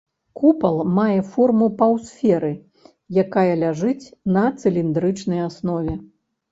Купал мае форму паўсферы, якая ляжыць на цыліндрычнай аснове.